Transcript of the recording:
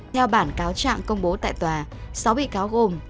theo bản cáo trạng công bố tại tòa sáu bị cáo gồm